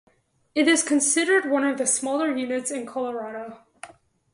It is considered one of the smaller units in Colorado.